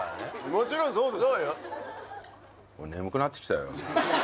もちろんそうです。